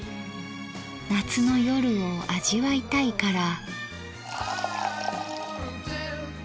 夏の夜を味わいたいから。